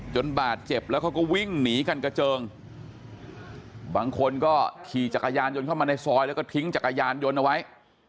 บาดเจ็บแล้วเขาก็วิ่งหนีกันกระเจิงบางคนก็ขี่จักรยานยนต์เข้ามาในซอยแล้วก็ทิ้งจักรยานยนต์เอาไว้